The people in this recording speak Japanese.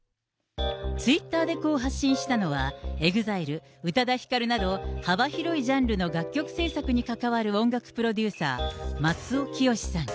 ツイッターでこう発信したのは、ＥＸＩＬＥ、宇多田ヒカルなど、幅広いジャンルの楽曲制作に関わる音楽プロデューサー、松尾潔さん。